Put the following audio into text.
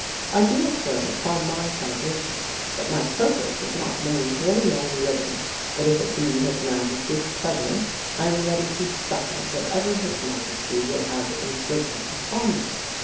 I do affirm upon my salvation that my purpose was not known to any man living; but if it be his majesty's pleasure, I am ready to suffer whatever his majesty will have inflicted upon me.